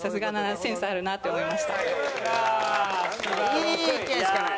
いい意見しかない。